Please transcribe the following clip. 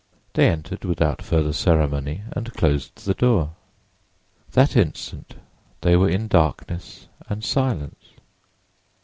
They entered without further ceremony and closed the door. That instant they were in darkness and silence.